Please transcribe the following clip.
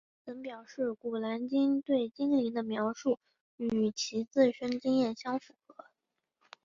她曾表示古兰经对精灵的描述与其自身经验相符合。